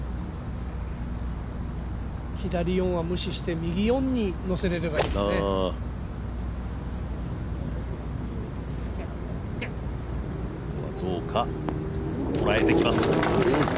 左４は無視して、右４にのせられればいいですね。捉えてきます。